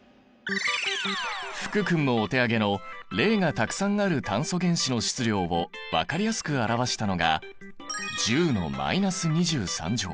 福君もお手上げの０がたくさんある炭素原子の質量を分かりやすく表したのが１０のマイナス２３乗。